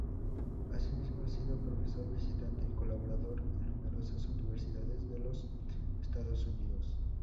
Asimismo, ha sido profesor visitante y colaborador en numerosas universidades de los Estados Unidos.